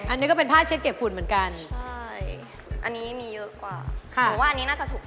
อันนี้ก็เป็นผ้าเช็ดเก็บฝุ่นเหมือนกัน